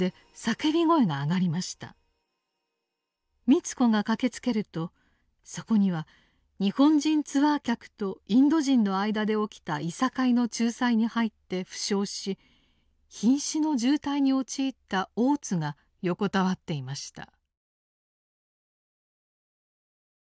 美津子が駆けつけるとそこには日本人ツアー客とインド人の間で起きたいさかいの仲裁に入って負傷し瀕死の重体に陥った大津が横たわっていました。